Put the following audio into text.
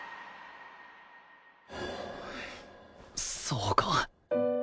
そうか